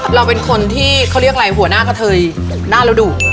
เราเป็นคนที่เขาเรียกอะไรหัวหน้ากระเทยหน้าเราดุ